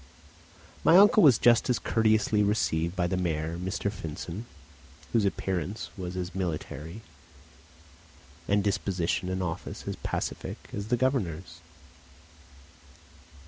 My uncle was just as courteously received by the mayor, M. Finsen, whose appearance was as military, and disposition and office as pacific, as the Governor's.